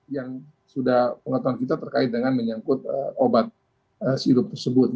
yang sudah pengetahuan kita terkait dengan menyangkut obat sirup tersebut